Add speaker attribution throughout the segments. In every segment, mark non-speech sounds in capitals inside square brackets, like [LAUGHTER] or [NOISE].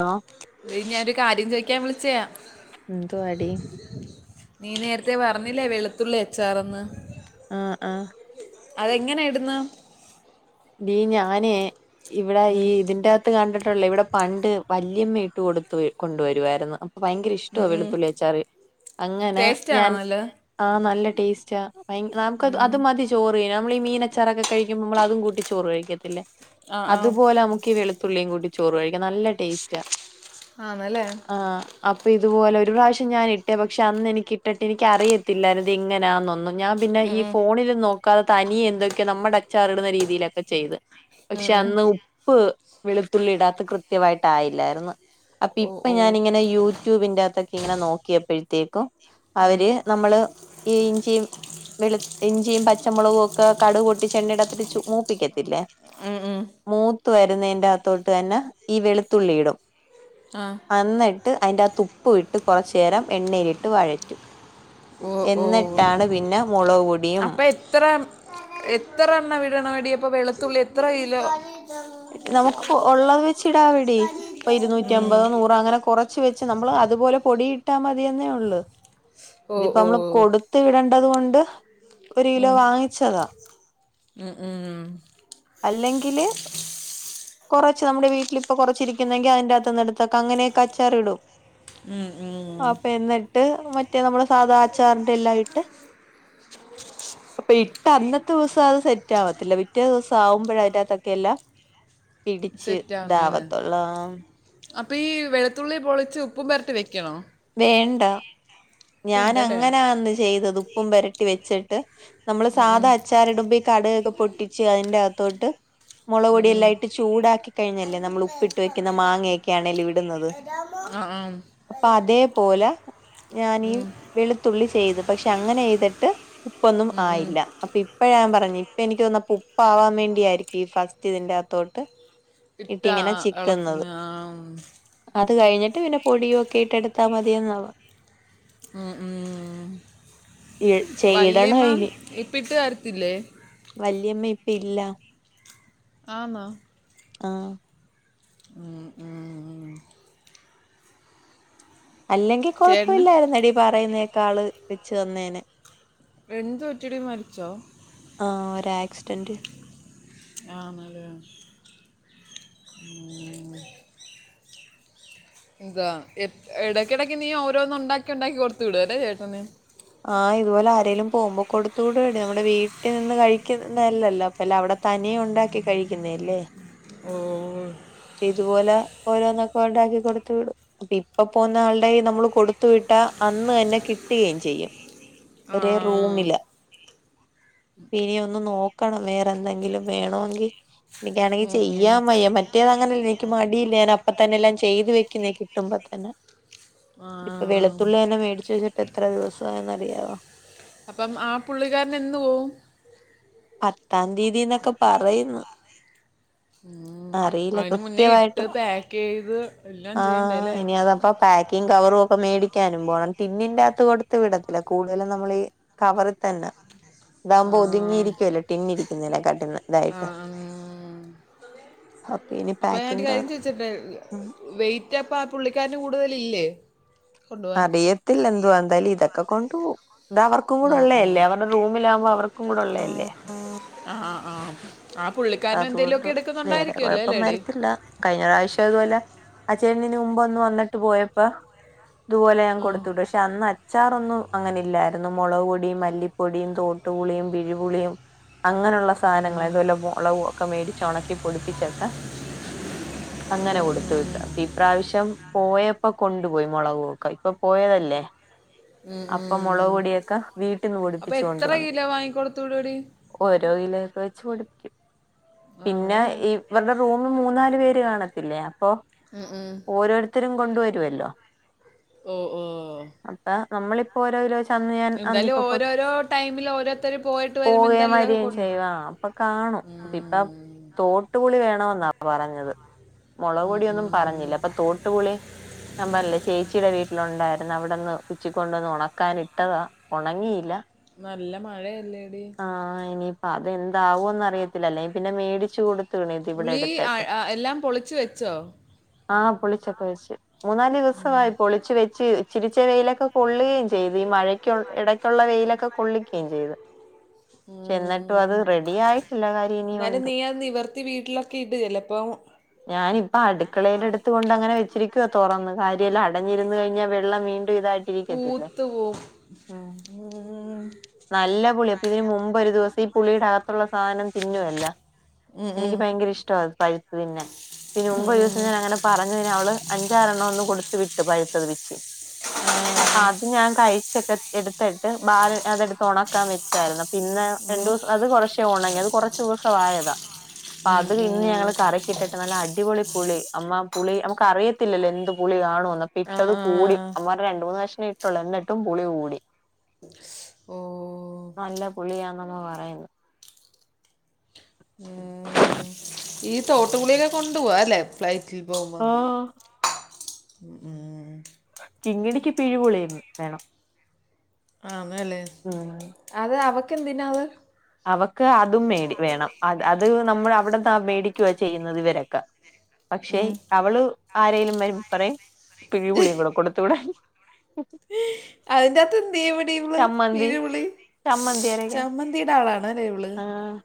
Speaker 1: Hello
Speaker 2: ഞ്ഞി ഞാനൊരു കാര്യം ചോദിക്കാൻ വിളിച്ചയാ
Speaker 1: എന്തുവാടി
Speaker 2: നീ നേരത്തെേ പറഞ്ഞില്ലേ വെളുത്തുള്ളി അച്ചാർന്ന്
Speaker 1: ആഹ് ആഹ്
Speaker 2: അതെങ്ങനെ ഇടുന്ന്?
Speaker 1: ടി ഞാനേ ഇവിടെ ഈ ഇതിന്റെ അ ത്ത് കണ്ടിട്ടുള്ള ഇവിടെ പണ്ട് വല്യമ്മ ഇട്ട് കൊടുത്ത് കൊണ്ടുവരുവായിരുന്നു. ഭയങ്കര ഇഷ്ടോ വെളുത്തുള്ളി അച്ചാറ്. അങ്ങനെ
Speaker 2: ടേസ്റ്റ് ആണോ
Speaker 1: ഞാൻ
Speaker 2: നല്ല
Speaker 1: ആഹ നല്ല ടേസ്റ്റാ. ഭയ നമുക്ക്
Speaker 2: ഉം.
Speaker 1: അത് മതി ചോറ് തിന്നാൻ. നമ്മൾ ഈ മീനച്ചാറൊക്കെ കഴിക്കുമ്പോ നമ്മള് അതും കൂട്ടി ചോറ് കഴിക്കത്തില്ലേ.
Speaker 2: ആ ആ
Speaker 1: അതുപോലെ നമുക്ക് ഈ വെളുത്തുള്ളിയും കൂടി, ചോറ് കഴിക്കാ നല്ല ടേസ്റ്റ.
Speaker 2: ആണല്ലേ
Speaker 1: ആഹ അപ്പ ഇതുപോലെ ഒരു പ്രാവശ്യം ഞാൻ ഇട്ടേ. പക്ഷെ അന്ന് എനിക്ക് ഇട്ടിട്ട് എനിക്ക് അറിയത്തില്ല ഇത് എങ്ങനാന്നൊന്നും. ഞാൻ പിന്നെ
Speaker 2: ഉം,
Speaker 1: ഈ
Speaker 2: ഉം.
Speaker 1: ഫോണിൽ നോക്കാതെ, തനി എന്തൊക്കെയെ നമ്മുടെ അച്ചാർ ഇടുന്ന രീതിയിലൊക്കെ ചെയ്ത്.
Speaker 2: ഉം,
Speaker 1: പക്ഷെ
Speaker 2: ഉം.
Speaker 1: അന്ന് ഉപ്പ് വെളുത്തുള്ളി ഇടാത്ത കൃത്യമായിട്ടായില്ലായിരുന്നു. അപ്പൊ
Speaker 2: ഓ
Speaker 1: ഇപ്പൊ
Speaker 2: ഓ
Speaker 1: ഞാനിങ്ങനെ യൂട്യൂബിന്റെ അത്തൊക്കെ ഇങ്ങനെ നോക്കിയപ്പോഴത്തേക്കും,
Speaker 2: ഉം.
Speaker 1: അവര് നമ്മള് [UNINTELLIGIBLE] ഇഞ്ചിയും, വെള് ഇഞ്ചിയും, പച്ചമുളകും ഒക്കെ കടക് പൊട്ടിചെണ്ണീയിടത്തി ച മൂപ്പിക്കത്തില്ലേ.
Speaker 2: ഉം ഉം.
Speaker 1: മൂത്ത് വരുന്നേന്റെ അകത്തോട്ട് തന്നെ ഈ വെളുത്തുള്ളി ഇടും.
Speaker 2: ആഹ
Speaker 1: അന്നിട്ട് അതിൻ്റെ ആ ഉപ്പ് ഇട്ട്, കുറച്ചു നേരം എണ്ണയിലിട്ട് വഴറ്റും.
Speaker 2: ഓ ഓ
Speaker 1: എന്നിട്ടാണ് പിന്നെ മുളക് പൊടിയും
Speaker 2: അപ്പൊ എത്ര എത്ര എണ്ണ ഇടണോടി. അപ്പൊ വെളുത്തുള്ളി എത്ര കിലോ?
Speaker 1: നമുക്ക് ഉള്ളത് വെച് ഇടാവിടി. ഇപ്പൊ ഇരുന്നൂറ്റി
Speaker 2: ഉം.
Speaker 1: അമ്പതോ നൂറോ അങ്ങനെ കുറ ച്ച് വച്ച് നമ്മള് അതുപോലെ പൊടി ഇട്ടാ മതിന്നെ ഉള്ളൂ.
Speaker 2: ഓ
Speaker 1: ഇതിപ്പോ
Speaker 2: ഓ
Speaker 1: നമ്മള് കൊടു ത്ത് വിടേണ്ടത് കൊണ്ട്, ഒരു കിലോ
Speaker 2: ഉം.
Speaker 1: വാങ്ങിച്ചതാ.
Speaker 2: ഉം, ഉം.
Speaker 1: അല്ലെങ്കില്, കൊറച്ച് നമ്മുടെ വീട്ടിലിപ്പൊ കൊറച്ചിരിക്കുന്നെങ്കിൽ, അതിന്റെ അത്തുനിന്ന് എടുത്തക്ക അങ്ങനെക്ക അച്ചാറിടും.
Speaker 2: ഉം ഉം.
Speaker 1: അപ്പ എന്നിട്ട്, മറ്റേ നമ്മുടെ സാധാ അച്ചാറിന്റെ എല്ലാം ഇട്ട്. ഇപ്പൊ ഇട്ട് അന്നത്തെ ദിവസം അത് സെറ്റ് ആവത്തില്ല. പിറ്റേ ദിവസം ആവുമ്പോഴ അതിനകത്തൊക്കെല്ല, പിടിച്ച്
Speaker 2: സെറ്റ് ആവുന്നല്ലേ
Speaker 1: ഇതാവത്തോള്ളാം.
Speaker 2: അപ്പൊ ഈ വെളുത്തുള്ളി പൊളിച്ച് ഉപ്പും പെരട്ടി വെക്കണോ?
Speaker 1: വേണ്ട. ഞാൻ
Speaker 2: ഉണ്ടല്ലേ
Speaker 1: അങ്ങനാന്ന് ചെയ്തത് ഉപ്പും പരട്ടി വെച്ചിട്ട്. നമ്മള്
Speaker 2: ഉം ഉം
Speaker 1: സാധാ അച്ചാറിടുമ്പോ, ഈ കടക് ക്കെ പൊട്ടിച്ചു അതിന്റെകത്തോട്ട്, മുളക്
Speaker 2: ഉം ഉം
Speaker 1: പൊടിയെല്ലാം ഇട്ട് ചൂടാക്കി കഴിഞ്ഞല്ലേ, നമ്മൾ ഉപ്പിട്ട് വെക്കുന്ന മാങ്ങയൊക്കെയാണേല്ലേ ഇടുന്നത്.
Speaker 2: ആഹ് ആം
Speaker 1: അപ്പൊ അതേപോലെ ഞാനീ
Speaker 2: ഉം
Speaker 1: വെളുത്തുള്ളി ചെയ്തു. പക്ഷെ അങ്ങനെ ചെയ്തിട്ട്, ഉപ്പൊന്നും
Speaker 2: ഉം ഉം
Speaker 1: ആയില്ല. അപ്പൊ ഇപ്പ ഞാൻ പറഞ്ഞു. ഇപ്പ എനിക്ക് തന്നപ്പ ഉപ്പാവാൻ വേണ്ടിയായിരിക്കും ഈ ഫസ് റ്റ് ഇതിന്റെ അകത്തോട്ട്,
Speaker 2: ഇട്ടാ
Speaker 1: ഇട്ടിങ്ങനെ
Speaker 2: ആ ഇളക്ക
Speaker 1: ചിക്കുന്നത്
Speaker 2: ആം.
Speaker 1: അത് കഴിഞ്ഞിട്ട്, പിന്നെ പൊടിയും ഒക്കെ ഇട്ട എടുത്താ മതിന്നാവാ.
Speaker 2: ഉ ഉം.
Speaker 1: ചെയ്യണം
Speaker 2: വല്യമ്മ
Speaker 1: അയിന്
Speaker 2: ഇപ്പ ഇട്ട് തരത്തില്ലേ?
Speaker 1: വല്യമ്മ ഇപ്പ ഇല്ല.
Speaker 2: ആന്നോ.
Speaker 1: ആഹ
Speaker 2: ഉം ഉം ഉം.
Speaker 1: അല്ലെങ്കിൽ
Speaker 2: ചേട്ടന്
Speaker 1: കൊഴപ്പില്ലാരുന്നെടി, പറയുന്നേക്കാള് വച്ച് തന്നേനേ.
Speaker 2: എന്ത് പറ്റിയെടി? മരിച്ചോ?
Speaker 1: ആഹ് ഒര് ആക്സിഡന്റ്.
Speaker 2: ആണല്ലേ. ഉം എന്താ ഇടക്കിടയ്ക്ക് നീ ഓരോന്ന് ഉണ്ടാക്കി ഉണ്ടാക്കി കൊടുത്ത വിടും അല്ലേ ചേട്ടന്.
Speaker 1: ആഹ് ഇതുപോലെ ആരേലും പോകുമ്പോ കൊടുത്തോ വിടുവെടി നമ്മുടെ വീട്ടിൽ നിന്ന് കഴിക്കുന്നെയല്ലല്ലോ അല്ല അവിടെ തനിയെ ഉണ്ടാക്കി കഴിക്കുന്നെയല്ലേ
Speaker 2: ഓ
Speaker 1: ഇതുപോലെ ഓരോന്നൊക്കെ ഉണ്ടാക്കി കൊടുത്ത് വിടും പ്പം ഇപ്പം പോന്ന ആളുടെ കയ്യില് നമ്മള് കൊടുത്തു വിട്ടാ അന്ന് തന്നെ കിട്ടുകയും ചെയ്യും
Speaker 2: ആ
Speaker 1: ഒരേ റൂമിലാ ഇനി ഒന്ന് നോക്കണം വേറെ എന്തെങ്കിലും വേണമെങ്കി എനിക്കാണെങ്കിൽ
Speaker 2: ഉം, ഉം.
Speaker 1: ചെയ്യാൻ വയ്യ മറ്റേത് അങ്ങനെയല്ല എനിക്ക് മടിയില്ല ഞാൻ അപ്പം തന്നെ എല്ലാം ചെയ്ത് വെക്കുന്നെയാ കിട്ടുമ്പ തന്നെ
Speaker 2: [INAUDIBLE]
Speaker 1: ഇപ്പൊ വെളുത്തുള്ളി തന്നെ മേടിച്ച് വെച്ചിട്ട് എത്ര ദിവസം ആയെന്ന് അറിയാവോ
Speaker 2: അപ്പം ആ പുള്ളിക്കാരനൻ എന്ന് പോവും
Speaker 1: പത്താം തീയതതീന്നൊക്കെ പറയുന്ന്
Speaker 2: ഉം.
Speaker 1: അറിയില്ല
Speaker 2: അതിന് മുന്നേ
Speaker 1: കൃത്യമായിട്ട്
Speaker 2: ഇട്ട് പാക്ക് ചെയ്ത് എല്ലാം ചെയ്യണ്ടേ
Speaker 1: ആഹ്
Speaker 2: അല്ലേ
Speaker 1: ഇനി അതപ്പം പാക്കിങ്ങ് കവറും ഒക്കെ മേടിക്കാനും പോണം ടിന്നിന്റകത്ത് കൊടുത്ത് വിടത്തില്ല കൂടുതലും നമ്മൾ ഈ കവറി തന്നെ
Speaker 2: ആ
Speaker 1: ഇതാകുമ്പോ ഒതുങ്ങിയിരി കുല്ലേ ടിന്നിരിക്കുന്നേനെകാട്ടി
Speaker 2: ആ
Speaker 1: നല്ലതായിട്ട് അപ്പം ഇനി
Speaker 2: അപ്പൊ ഞാൻ ഒരു
Speaker 1: പാക്കിങ്
Speaker 2: കാര്യം
Speaker 1: കവർ
Speaker 2: ചോദിച്ചിട്ടെ
Speaker 1: ഉം
Speaker 2: വെയിറ്റ് അപ്പം ആ പുള്ളിക്കാരന് കൂടുതലില്ലേ കൊണ്ടുപോവാൻ
Speaker 1: അറിയത്തില്ല എന്തുവാന്ന് എന്തായാലും ഇതൊക്കെ കൊണ്ട് പോവും ഇത് അവർക്കും
Speaker 2: ഉം, ഉം.
Speaker 1: കൂടെഉള്ളയല്ലേ അവരുടെ റൂമിലാകുമ്പോ അവർക്കും കൂടെഉള്ള യല്ലേ
Speaker 2: ആ ആഹ് ആ പുള്ളിക്കാരൻ
Speaker 1: അതുകൊണ്ട്
Speaker 2: എന്തെങ്കിലുമൊക്കെ
Speaker 1: വേറെ
Speaker 2: എടുക്കുന്നുണ്ടായിരിക്കുവല്ലോ
Speaker 1: കുഴപ്പം
Speaker 2: അല്ലേടി
Speaker 1: വരത്തില്ല കഴിഞ്ഞ പ്രാവശ്യം അതുപോലെ ആ ചേട്ടൻ ഇതിന് മുമ്പ് ഒന്ന് വന്നിട്ട് പോയപ്പം ഇതുപോലെ ഞാൻ
Speaker 2: ആ
Speaker 1: കൊടുത്തു വിടും ക്ഷെ ക്ഷെ അന്ന് അച്ചാറൊന്നും അങ്ങനെ ഇല്ലായിരുന്നു മുളക് പൊടിയും മല്ലിപ്പൊടിയും തോട്ടുപുളിയും പിഴിപുളിയും അങ്ങനെയുള്ള സാധനങ്ങൾ ഇതുപോലെ മുളക് ഒക്കെ മേടിച്ച് ഒണക്കി പൊടിപ്പിച്ചൊക്കെ
Speaker 2: [INAUDIBLE]
Speaker 1: അങ്ങനെ കൊടുത്തു വിട്ട് അപ്പൊ ഇപ്രാവശ്യം പോയപ്പോ കൊണ്ടുപോയി മുളകുവൊക്കെ ഇപ്പൊ പോയതല്ലേ
Speaker 2: [INAUDIBLE]
Speaker 1: അപ്പം മുളക് പൊടിയൊക്കെ വീട്ടിന്ന് പോയ്
Speaker 2: അപ്പൊ എത്ര കിലോ വാങ്ങിക്കൊടുത്തു വിടുവെടി
Speaker 1: ഓരോ കിലോ ഒക്കെ വെച്ച് പൊടിപ്പിക്കും
Speaker 2: ആ
Speaker 1: പിന്നെ
Speaker 2: അതെ
Speaker 1: ഇ ഇവരുടെ റൂമി മൂന്നാല് പേര് കാണത്തില്ലേ അപ്പം
Speaker 2: ആഹ് ആഹ്
Speaker 1: ഓരോരുത്തരും കൊണ്ട് വരുവല്ലോ
Speaker 2: ഓ ഓ
Speaker 1: നമ്മളിപ്പോ ഓരോ കിലോ വെച്ച് അന്ന് ഞാൻ
Speaker 2: എന്തായാലും
Speaker 1: അന്നിപ്പോ
Speaker 2: ഓരോരോ ടൈമില് ഓരോരുത്തര് പോയിട്ട് വരുമ്പോ എന്തായാലും ഇതൊക്കെ കൊ
Speaker 1: ചെയ്യുവാ അപ്പൊ കാണും ഇപ്പം തോട്ടുപുളി വേണം എന്നാ പറഞ്ഞത് മുളക്
Speaker 2: ഉം
Speaker 1: പൊടിയൊന്നും
Speaker 2: ഉം
Speaker 1: പറഞ്ഞില്ല അപ്പൊ തോട്ടുപുളി ഞാൻ പറഞ്ഞില്ലേ ചേച്ചിയുടെ വീട്ടിലുണ്ടായിരുന്നു അവിടന്ന് പിച്ചിക്കൊണ്ടുവന്ന് ഉണക്കാൻ ഇട്ടതാ ഉണങ്ങിയില്ല
Speaker 2: നല്ല മഴയല്ലേടി
Speaker 1: ആഹ് ഇനിയിപ്പം അത് എന്താവോന്ന് അറിയത്തില്ല അല്ലേ പിന്നെ മേടിച്ച് കൊടു
Speaker 2: നീആ ആ എല്ലാം പൊളിച്ച് വെച്ചൊ
Speaker 1: ആഹ് പൊളിച്ചൊക്കെ വെച്ച് മൂന്നാല് ദിവസവായി പൊളിച്ച് വെച്ച് ഇച്ചിരിച്ച വെയിലൊക്കെ കൊള്ളെയും ചെയ്ത് ഈ മഴയ്ക്ക ഇടയ്ക്കുള്ള വെയിലൊക്കെ കൊള്ളിക്കെചെയ്ത് ഛെ ന്നിട്ടു
Speaker 2: ഉം
Speaker 1: അത് റെഡി ആയിട്ടില്ല
Speaker 2: എന്നാലും
Speaker 1: കാര്യനിയുണ്ട്
Speaker 2: നീ അത് നിവർത്തി വീട്ടിലൊക്കെ ഇട് ചിലപ്പം
Speaker 1: ഞാനിപ്പ അടുക്കളയിലെടുത്തു കൊണ്ടങ്ങനെ വെച്ചിരിക്കുവ തൊറന്ന് കാര്യല്ലാം അടഞ്ഞിര്ന്നു കഴിഞ്ഞാ വെള്ളം വീണ്ടും ഇതായി ഇരിക്കത്തില്ല
Speaker 2: പൂത്ത് പോവും
Speaker 1: ഉം
Speaker 2: ഉം
Speaker 1: നല്ല പുളി ഇതിന് മുമ്പ് ഒരു ദിവസം ഈ പുളിടകത്തുള്ള സാധനം തിന്നുവല്ല
Speaker 2: ഉം
Speaker 1: എനിക്ക്
Speaker 2: ഉം
Speaker 1: ഭയങ്കര ഇഷ്ടവാത് പഴുത്തു തിന്നാൻ പിന്നെ
Speaker 2: ഉം
Speaker 1: മുമ്പൊരുസം ഞാനങ്ങനെ പറഞ്ഞതിന് അവള് അഞ്ചാറെണ്ണം ഒന്ന് കൊടുത്ത് വിട്ടു പഴുത്തത് പിച്ചി
Speaker 2: [UNINTELLIGIBLE]
Speaker 1: അപ്പൊ അത് ഞാൻ കഴിച്ചെക്കെ എടുത്തെട്ട് ബാൽ അതെടുത്ത് ഒണക്കാൻ വെ തായിരുന്നു പിന്നെ
Speaker 2: ഉം
Speaker 1: രണ്ടുസം അത് കുറച്ചേ ഒന്നങ്ങി അത് കുറച്ച് ദിവസം ആയതാ
Speaker 2: ഉം
Speaker 1: അത് ഇന്ന്
Speaker 2: ഉം
Speaker 1: ഞങ്ങള് കറികി ഇട്ടട്ട് നല്ല അടിപൊളി പുളി അമ്മ പുളി നമുക്ക് അറിയത്തില്ലല്ലോ എന്ത് പുളികാണുന്ന്
Speaker 2: ആ
Speaker 1: അപിട്ടത്
Speaker 2: ആ
Speaker 1: കൂടി അമ്മമാർ
Speaker 2: ആ
Speaker 1: രണ്ട് മൂന്ന് കഷ്ണംഇട്ടുള്ളൂ എന്നിട്ടും പുളി കൂടി
Speaker 2: ഓ
Speaker 1: നല്ല പുളിയാന്നെന്ന് പറയ്ന്ന്
Speaker 2: ഉം. ഈ തോട്ടുപുളിയിലെ കൊണ്ടു പോവാ അല്ലെ ഫ്ലൈറ്റിൽ പോകുമ്പോ
Speaker 1: ഓ
Speaker 2: ഉം ഉം
Speaker 1: കിങ്ങിണിക്ക്പ്പയിപുളി വേണം
Speaker 2: ആന്നല്ലേ
Speaker 1: ഉം
Speaker 2: അത് അവക്കെന്തിനാത്?
Speaker 1: അവക്ക് അതും മേടി വേണം അത് അത് നമ്മൾ അവിടെന്നാ മേടിക്കുവ ചെയ്യുന്നത് ഇവരെക്കെ പക്ഷെ
Speaker 2: ഉം.
Speaker 1: അവള് ആരെലും വരുമ്പോ പറയും പിഴ്പുളിയുംകൂടെ കൊടുത്തു വിടാൻ ഉം
Speaker 2: അതിന്റത്ത്ന് ദേവിടീവ്ള്
Speaker 1: ചമ്മന്തി
Speaker 2: വീരുവിളി
Speaker 1: ചമ്മന്തി അരയ്ക്കാൻ
Speaker 2: ചമ്മന്തിയുടെ ആളാണലേവ്ള്
Speaker 1: ആ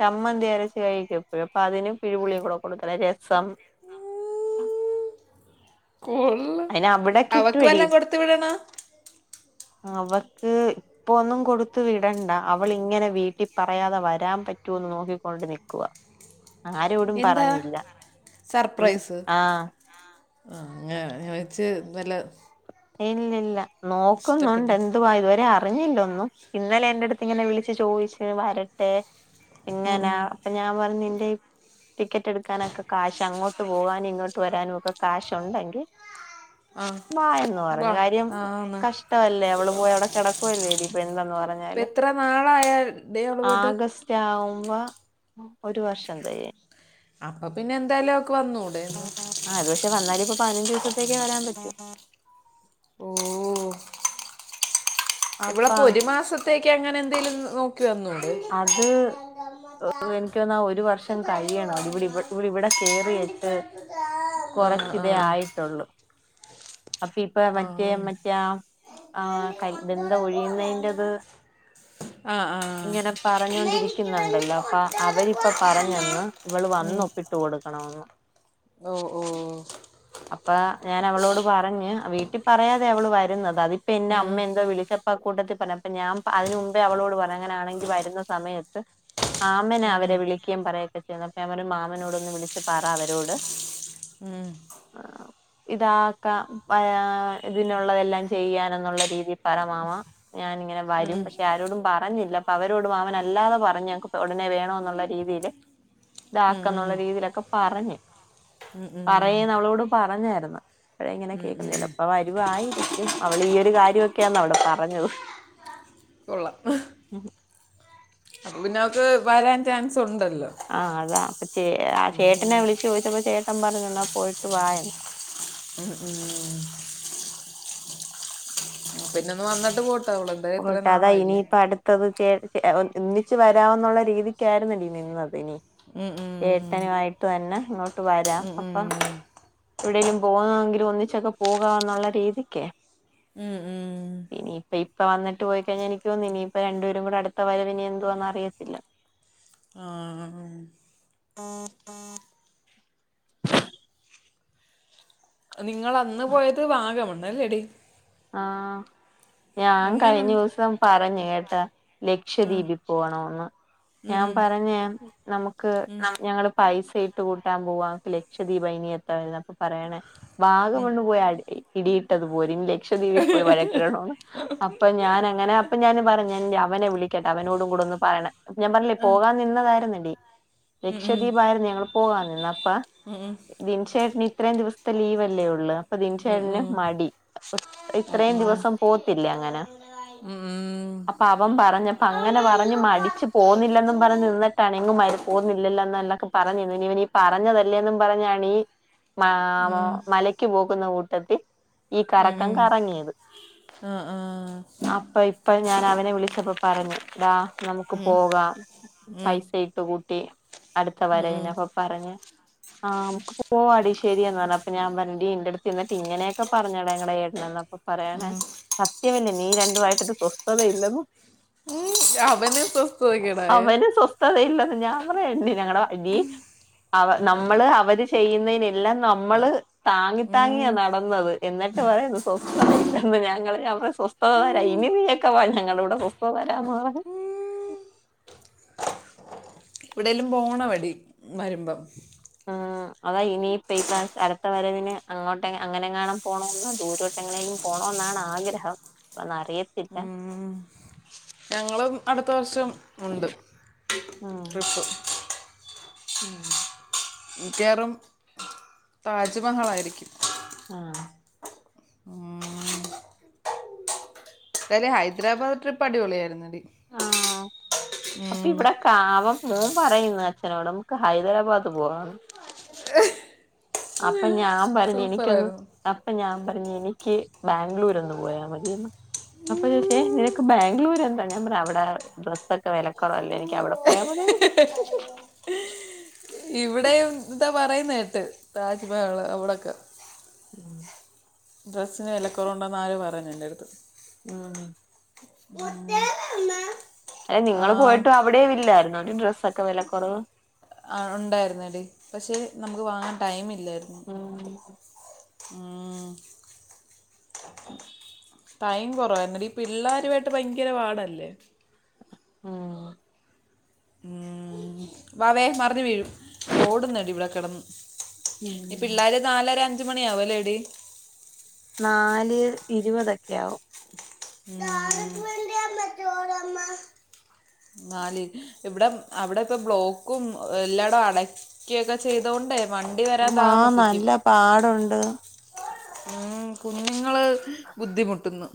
Speaker 1: ചമ്മന്തി അരച്ച് കഴിക്കെപ്പോഴും അപ്പതിന് പിഴുപുളികൂടെ കൊടുക്കല രസം
Speaker 2: കൊള്ള്
Speaker 1: അതിന് അവിടെ
Speaker 2: അവക്ക്
Speaker 1: കിട്ടുവെടി
Speaker 2: വല്ലാം കൊടുത്തു വിടണ
Speaker 1: അവർക്ക് ഇപ്പൊ ഒന്നും കൊടുത്തു വിടണ്ട അവളിങ്ങനെ വീട്ടിപറയാതെ വരാൻ പറ്റോന്ന് നോക്കിക്കൊണ്ട് നിക്കുവ
Speaker 2: എന്താ
Speaker 1: ഇൻ
Speaker 2: സർപ്രൈസ്
Speaker 1: ആ
Speaker 2: ആഹ് അങ്ങനെ ഞാച്ച് നല്ല
Speaker 1: ഇല്ലില്ല നോക്കുന്നുണ്ട്
Speaker 2: ഇഷ്ടപ്പെടുന്നു
Speaker 1: എന്തുവ ഇതുവരെ അർ അറിഞ്ഞില്ലൊന്നും ഇന്നലെ എന്റെടുത്ത്ങ്ങനെ വിളിച്ച് ചോദിച്ച് വരട്ടെ
Speaker 2: ഉം,
Speaker 1: ഇങ്ങനാ
Speaker 2: ഉം.
Speaker 1: അപ്പൊ ഞാൻ പറഞ്ഞ് നിന്റെയു ടിക്കറ്റ് എടുക്കാനൊക്കെ കാശ് അങ്ങോട്ട് പോകാനും ഇങ്ങോട്ട് വരാനുവൊക്കെ കാശുണ്ടെങ്കി
Speaker 2: ആ
Speaker 1: മായെന്ന്
Speaker 2: വാ ആന്ന്
Speaker 1: അവള് പോയി അവിടെ കിടക്കുവല്ലേടി ഇപ്പൊ എന്തെന്ന് പറഞ്ഞാലും
Speaker 2: ഇപ്പെത്ര നാളായൽ ദേ അവള് പോയ്ട്ട്
Speaker 1: സ്റ്റാവുമ്പോ ഒരു വർഷം തെയിം
Speaker 2: അപ്പൊ പിന്നെന്തായാലും അവക്ക് വന്നൂടെ
Speaker 1: ആഹ് അത് പക്ഷ വന്നാലിപ്പ പതിനഞ്ചുസ
Speaker 2: ഓഹ്
Speaker 1: അപ്പൊ
Speaker 2: ഇവളപ്പോ ഒരു മാസത്തേക്കങ്ങനെന്തേലും നോക്കി വന്നുടെ
Speaker 1: എനക്കോന്നാ ഒരു വർഷം കഴിയണം ഇവള് ഇവടെ ഇവള് വട കേറിയിട്ട്
Speaker 2: ആ ആ
Speaker 1: കൊറച്ചിതേ ആയിട്ടുള്ളൂ അപ്പിപ്പൊ
Speaker 2: ആ
Speaker 1: മറ്റേ
Speaker 2: ഉം.
Speaker 1: മറ്റേ ആഹ് ആഹ് ക ബന്ധം ഒഴിയുന്നേന്റത്
Speaker 2: ആ ആ
Speaker 1: ഇങ്ങനെ പറഞ്ഞൊണ്ടിരിക്കുന്ന്ണ്ടല്ലോ അപ്പ അവരിപ്പൊ പറഞ്ഞന്ന് ഇവള് വന്നൊപ്പിട്ടു കൊടുക്കണവെന്ന്
Speaker 2: ഓഹ് ഓഹ്
Speaker 1: അപ്പ ഞാൻ അവളോട് പറഞ്ഞ്. വീട്ടി പറയാതെ അവെള് വെരുന്നത്. അതി പിന്നെ അമ്മ
Speaker 2: ഉം
Speaker 1: എന്താ വിളിച്ചപ് ആഹ് കൂട്ടത്തിൽ പറഞ്ഞ്. അപ്പ ഞാൻ പ അതിന് മുമ്പേ അവളോട് പറഞ്ഞ് അങ്ങനാണെങ്കിൽ വരുന്ന സമയത്ത് ആമനെ
Speaker 2: ഉം ഉം
Speaker 1: അവെരെ വിളിക്കേയും പറയെക്കെ ചെയുന്നേ. ഞാപര മാമനോട് ഒന്ന് വിളിച്ച് പറ അവരോട്
Speaker 2: ഉം
Speaker 1: ഇതാ ഇപ്പ പ്പയാ ഇതിനൊള്ളതെല്ലാം ചെയ്യാനൊന്നൊള്ള രീതി പറ മാമാ. ഞാാനിങ്ങനെ വരും.
Speaker 2: ഉം ഉം
Speaker 1: പക്ഷെ ആരോടും പറഞ്ഞില്ല. അപ്പ അവരോടും അവൻ അല്ലാതെ പറഞ്ഞ ഞക്ക് ഒടെനെ വേണോന്നൊള്ള രീതിയി ക്കെ
Speaker 2: ഉം
Speaker 1: ഇതാക്കെന്നൊള്ള
Speaker 2: ഉം
Speaker 1: രീതിലെക്കെ പറഞ്ഞു.
Speaker 2: ഉം ഉം.
Speaker 1: പറയാനവളോട് പറഞ്ഞാരുന്നു. ഇപ്പഴയിങ്ങെനെ
Speaker 2: ഉം
Speaker 1: കേക്കുന്നേ.
Speaker 2: ഉം.
Speaker 1: ചെലപ്പോ വരുവായിരിക്കും. അവൾ ഈ ഒരു കാര്യമൊക്കെയാന്ന് അവടെ പറഞ്ഞത്.
Speaker 2: കൊള്ളാം അതു പിന്നെവെക്ക് വരാൻ ചാൻസ് ഒണ്ടല്ലോ?
Speaker 1: ആഹ് അതാ. അപ്പൊ ചേ ആ ചേട്ടനെ വിളിച്ചു ചോദിച്ചപ്പോ ചേട്ടൻ പറഞ്ഞു എന്നാ പോയിട്ട് വായെന്ന്.
Speaker 2: ഉം ഉം പിന്നെ ഒന്ന് വന്നിട്ട് പോട്ടേവള് എന്തായാലും ഇത്ര നാളായില്ലേ.
Speaker 1: ന്നത് കേ ഒന്നിച്ച് വരാവുന്നൊള്ള രീതിക്കായിരുന്നടി നിന്നത് ഇനി.
Speaker 2: ഉം ഉം
Speaker 1: എട്ടനുവായിട്ട് തന്നെ ഇങ്ങോട്ട് വരാം.
Speaker 2: ഉം ഉം.
Speaker 1: അപ്പം എവിടേലും പോന്നതെങ്കിലും ഒന്നിച്ചൊക്കെ പോകാന്നൊള്ള രീതിക്കേ.
Speaker 2: ഉം ഉം
Speaker 1: ഇയിനിപ്പയി പ്പം വന്നിട്ട് പോയിക്കഴിഞ്ഞാ എനിക്ക് തോന്ന്ന്ന് ഇനിയിപ്പ രണ്ടുപേരും കൂടെയടുത്തവരവ് ഇനി എന്തുവാന്ന് അറിയത്തില്ല.
Speaker 2: ആഹ് നിങ്ങെള് അന്ന് പോയത് വാഗമണ്ണ് അല്ലെടി?
Speaker 1: ആഹ് ഞാൻ
Speaker 2: എങ്ങനുണ്ട്
Speaker 1: കഴിഞ്ഞവസം പറഞ്ഞു കേട്ടാ.
Speaker 2: ആ.
Speaker 1: ലക്ഷദ്വീപി പോണോന്ന്.
Speaker 2: ഉം
Speaker 1: ഞാൻ
Speaker 2: ഉം.
Speaker 1: പറഞ്ഞ് നമ്മുക്ക്
Speaker 2: ഉം.
Speaker 1: ഞങ്ങള് പൈസ ഇട്ട് കൂട്ടാൻ പോവാ. ക്ക് ലക്ഷദ്വീപ് ഇനി എത്തായിതൊക്കെ പറയണേ.
Speaker 2: ഉം.
Speaker 1: വാഗമണ്ണ് പോയി അടി ഇടിയിട്ടത് പോരെ ഇനി ലക്ഷദ്വീപിൽ പോയി വഴക്കിടണോന്ന്. അപ്പം ഞാൻ അങ്ങനെ അപ്പം ഞാൻ പറഞ്ഞു. ഞാൻ അവനെ വിളിക്കട്ടെ അവനോടും കൂടെ ഒന്ന് പറയണം. ഞാൻ പറഞ്ഞില്ലേ പോകാൻ നിന്നതാരുന്നില്ലേ.
Speaker 2: ഉം ഉം.
Speaker 1: ലക്ഷദ്വീപായിരുന്നു ഞങ്ങള് പോവാ നിന്ന. അപ്പ
Speaker 2: ഉം ഉം. ഉം ഉം.
Speaker 1: ദിൻഷേട്ടന് ഇത്രയും ദിവസത്തെ ലീവല്ലേയൊള്ളു. അപ്പൊ
Speaker 2: ഉം
Speaker 1: ദിൻഷേട്ടന്
Speaker 2: ഉം.
Speaker 1: മടി.
Speaker 2: ഉം
Speaker 1: ഇത്രേം ദിവസം പോത്തില്ലേ അങ്ങന.
Speaker 2: ഉം.
Speaker 1: അ പ്പൊ അവൻ പറഞ്ഞപ്പ
Speaker 2: അമ്മ,
Speaker 1: അങ്ങനെ പറഞ്ഞ്
Speaker 2: ഇയ്യോ,
Speaker 1: മടിച്ച് പോന്നില്ലെന്നും പറഞ്ഞ്
Speaker 2: പത്തിരിക്കുന്നു.
Speaker 1: നിന്നിട്ടാണിങ്ങ് മരു പോന്നില്ലല്ലോ എന്നെല്ലാക്കെ പറഞ്ഞു ഇവ ഇവനീ പറഞ്ഞതല്ലേന്നും പറഞ്ഞാണീ മാമോ
Speaker 2: ഉം
Speaker 1: മലയ്ക്ക് പോകുന്ന കൂട്ടത്തിൽ ഈ
Speaker 2: ഉം
Speaker 1: കറക്കം
Speaker 2: ഉം
Speaker 1: കറങ്ങീത്.
Speaker 2: ആഹ് ആഹ്
Speaker 1: അപ്പം ഇപ്പം ഞാൻ അവനെ വിളിച്ചപ്പ പറഞ്ഞു. ടാ നമുക്ക്
Speaker 2: ആഹ്
Speaker 1: പോകാം.
Speaker 2: ഉം
Speaker 1: പൈസ ഇട്ട് കൂട്ടി, അടുത്ത
Speaker 2: ഉം ഉം ഉം
Speaker 1: വരവിന്, അപ്പോ പറഞ്ഞ് ആഹ് നമുക്ക് പോവാടി ശരിയെന്നു പറഞ്ഞു. അപ്പ ഞാൻ പറഞ്ഞു, എടി എന്റെടുത്ത് എന്നിട്ട് ഇങ്ങനെയൊക്കെ പറഞ്ഞവൻ നിങ്ങടെ ചേ എന്തന്നപ്പ പറയാനെ
Speaker 2: ഉം
Speaker 1: സത്യവല്ലേ നീ രണ്ടുവായിട്ടൊരു സ്വസ്ഥതയില്ലെന്ന്.
Speaker 2: ഉം അവന് സ്വസ്ഥത കേടായോ?
Speaker 1: അതെയില്ലെന്ന് ഞാപറഞ്ഞു എണ്ണി ഞങ്ങടെ അടി. അവ നമ്മള് അവര് ചെയ്യുന്നതിനെല്ലാം നമ്മള് താങ്ങി താങ്ങിയാ
Speaker 2: ഉം
Speaker 1: നടന്നത്. എന്നിട്ട് പറയന്നു സ്വസ്ഥതയില്ലെന്ന്. ഞങ്ങള് ഞാൻ പറഞ്ഞ് സ്വസ്ഥത തരാം. ഇനി നീയൊക്കെ വാ ഞങ്ങളൂടെ, സ്വസ്ഥത തരാന്ന് പറഞ്ഞ്.
Speaker 2: എവിടേലും പോണവഴി വരുമ്പം.
Speaker 1: ഉം അതാ ഇനിപ്പ ഈ പ്രാവശ്യം അടുത്ത വരവിന് അങ്ങോട്ട് അങ്ങനെങ്ങാണം പോണോന്ന് ദൂരോട്ട്. എങ്ങനേലും പോണോന്നാണ് ആഗ്രഹം. എന്നാറിയത്തില്ല.
Speaker 2: ഉം ഞങ്ങളും അടുത്ത വർഷം ഉണ്ട്
Speaker 1: ഉം
Speaker 2: ട്രിപ്പ്
Speaker 1: ഉം
Speaker 2: മിക്കവാറും താജ്മഹാളായിരിക്കും
Speaker 1: ആഹ്
Speaker 2: എന്തായാലും ഹൈദരാബാദ് ട്രിപ്പ് അടിപൊളിയായിരുന്നടി
Speaker 1: ആഹ് അപ്പൊ ഇവിടെ കാവം മൂൻ പറയുന്നു അച്ഛനോട് നമുക്ക് ഹൈദരാബാദ് പോവാന്ന് അപ്പൊ ഞാൻ പറഞ്ഞു എനിക്കൊന്ന്
Speaker 2: സൂപ്പറായിരുന്നു
Speaker 1: അപ്പൊ ഞാൻ പറഞ്ഞു നിക്ക് ബാംഗ്ലൂർ ഒന്ന് പോയാ മതിയന്ന് അപ്പൊ ചോയ്ചെ നിനക്ക് ബാംഗ്ലൂര് എന്താ ഞാൻ പറഞ്ഞ് അവിടെ ഡ്രസ്സൊക്കെ വിലക്കുറവല്ലേ എനിക്ക് അവിടെ പോയാ മതി
Speaker 2: ഇവിടെ എന്താ പറയുന്ന കേട്ട് താജ്മഹള് അവിടെൊക്കെ
Speaker 1: മ്
Speaker 2: ഡ്രസ്സിന് വിലക്കുറവുണ്ടെന്ന ആര് പറഞ്ഞട്ടണ്ട്ടുത്ത്?
Speaker 1: ഉം
Speaker 2: [UNINTELLIGIBLE]
Speaker 1: എ
Speaker 2: ആ,
Speaker 1: നിങ്ങ പോയിട്ടും അവിടെ ഇല്ലായിരുന്നൊ ഡ്രസ്സൊക്കെ വിലക്കുറവ്?
Speaker 2: ആ ഉണ്ടായിുന്നടി പക്ഷെ നമുക്ക് വാങ്ങാൻ ടൈം ഇില്ലായിരുന്നു.
Speaker 1: [UNINTELLIGIBLE]
Speaker 2: ഉം ടൈം കൊറവായിട്ട ഈ പിള്ളാരുമായിട്ട് ഭയങ്കര പാടല്ലേ
Speaker 1: മ്
Speaker 2: മ് വാവേ മറഞ്ഞു വീഴും ഓടുന്നടി ഇവിടെ കിടന്
Speaker 1: ഉം
Speaker 2: ഇ പിള്ളേര് നാലര അഞ്ച മണിയവും ആവലേടി
Speaker 1: നാല് ഇരുപതൊക്കെ ആവും
Speaker 2: താക്ക് വേണ്ടിയമ്മ ചോറമ്മ നാല് ഇവിടെ അവിടെ ഇപ്പ ബ്ലോക്കും എല്ലായിടും അട കേക്കെ ചെയ്തൊണ്ടേ വണ്ടി വരാൻ
Speaker 1: മാ
Speaker 2: താമസിക്കും
Speaker 1: നല്ല പാടുണ്ട്
Speaker 2: ഉം കുഞ്ഞുങ്ങള് ബുദ്ധിമുട്ടുന്നു.